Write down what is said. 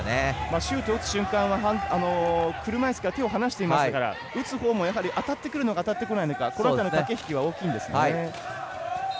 シュートを打つ瞬間車いすから手を離していましたから当ててくるのか当ててこないのかこの辺りの駆け引きが大きいんですね。